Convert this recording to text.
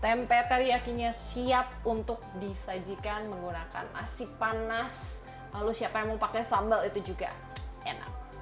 tempe teriyakinya siap untuk disajikan menggunakan nasi panas lalu siapa yang mau pakai sambal itu juga enak